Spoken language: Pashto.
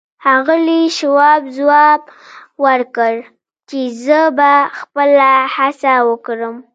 ښاغلي شواب ځواب ورکړ چې زه به خپله هڅه وکړم.